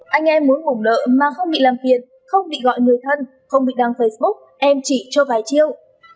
anh em muốn bùng nợ mà không bị làm phiền không bị gọi người thân không bị đăng facebook em chỉ cho vài chiêu